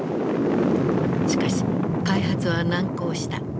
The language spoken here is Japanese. しかし開発は難航した。